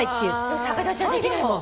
でも逆立ちはできないもん。